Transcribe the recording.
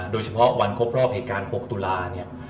โดยเฉพาะวันครบรอบเหตุการณ์๖ตุลาเนี่ย